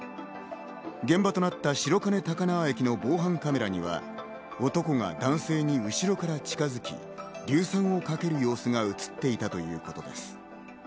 現場となった白金高輪駅の防犯カメラには、男が男性に後ろから近づき、硫酸をかける様子が映っていたということです。